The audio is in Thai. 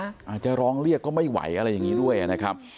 อาจจะร้องเรียกก็ไม่ไหวอะไรอย่างนี้ด้วยนะครับ